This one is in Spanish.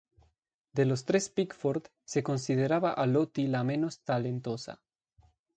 De los tres Pickford, se consideraba a Lottie la menos talentosa.